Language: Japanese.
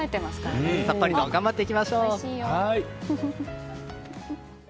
さっぱりと頑張っていきましょう！